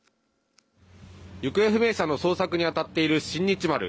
行方不明者の捜索に当たっている新日丸